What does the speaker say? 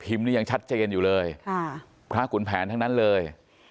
พิมพ์นี้ยังชัดเจนอยู่เลยพระขุนแผนทั้งนั้นเลย